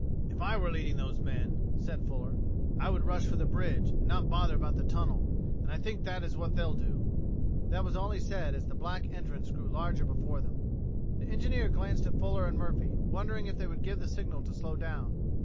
"If I were leading those men," said Fuller, "I would rush for the bridge, and not bother about the tunnel. And I think that is what they'll do." That was all he said as the black entrance grew larger before them. The engineer glanced at Fuller and Murphy, wondering if they would give the signal to slow down.